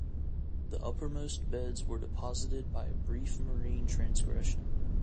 The uppermost beds were deposited by a brief marine transgression.